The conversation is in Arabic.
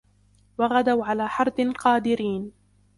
وَغَدَوْا عَلَى حَرْدٍ قَادِرِينَ